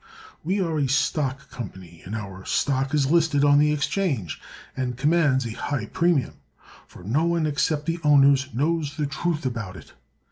We are a stock company, and our stock is listed on the exchange and commands a high premium, for no one except the owners knows the truth about it.